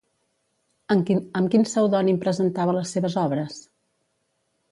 Amb quin pseudònim presentava les seves obres?